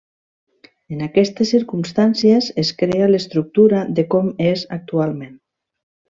En aquestes circumstàncies es crea l'estructura de com és actualment.